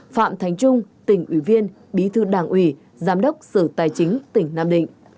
phạm thành trung tỉnh ủy viên bí thư đảng ủy giám đốc sở tài chính tỉnh nam định